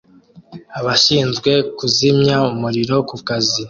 Abashinzwe kuzimya umuriro ku kazi